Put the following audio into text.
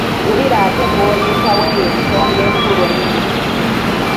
Wulira ate bw’oleetawo eyo ensonga enkulu ennyo!